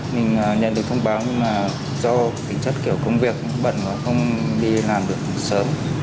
mình nhận được thông báo do tính chất kiểu công việc bận và không đi làm được sớm